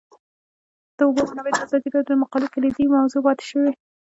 د اوبو منابع د ازادي راډیو د مقالو کلیدي موضوع پاتې شوی.